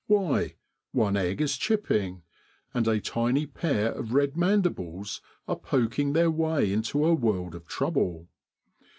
Why ! one egg is chipping, and a tiny pair of red mandibles are poking their way into a world of trouble.